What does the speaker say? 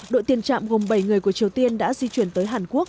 đội tiền trạm gồm bảy người của triều tiên đã di chuyển tới hàn quốc